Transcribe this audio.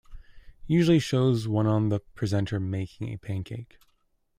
Usually shows one of the presenters making a pancake.